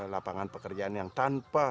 lapangan pekerjaan yang tanpa